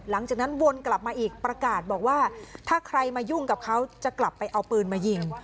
วนกลับมาอีกประกาศบอกว่าถ้าใครมายุ่งกับเขาจะกลับไปเอาปืนมายิง